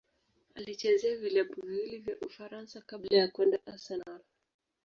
Alichezea vilabu viwili vya Ufaransa kabla ya kwenda Arsenal.